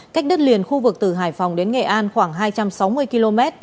cách đất liền khu vực từ hải phòng đến nghệ an khoảng hai trăm sáu mươi km